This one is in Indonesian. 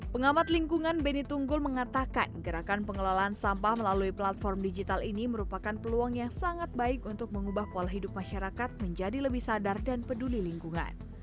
pengamat lingkungan benny tunggul mengatakan gerakan pengelolaan sampah melalui platform digital ini merupakan peluang yang sangat baik untuk mengubah pola hidup masyarakat menjadi lebih sadar dan peduli lingkungan